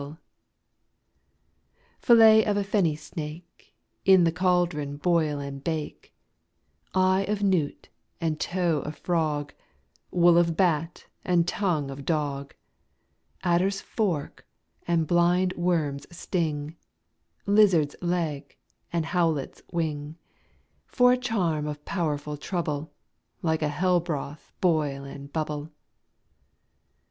SECOND WITCH. Fillet of a fenny snake, In the cauldron boil and bake; Eye of newt, and toe of frog, Wool of bat, and tongue of dog, Adder's fork, and blind worm's sting, Lizard's leg, and howlet's wing, For a charm of powerful trouble, Like a hell broth boil and bubble.